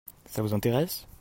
Ça vous intéresse ?